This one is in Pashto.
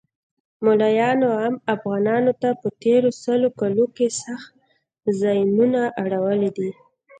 مولایانو عام افغانانو ته په تیرو سلو کلو کښی سخت ځیانونه اړولی دی